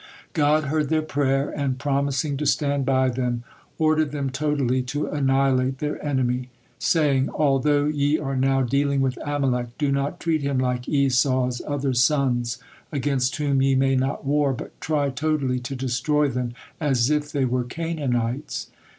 God heard their prayer and, promising to stand by them, ordered them totally to annihilate their enemy, saying: "Although ye are now dealing with Amalek, do not treat him like Esau's other sons, against whom ye may not war, but try totally to destroy them, as if they were Canaanites."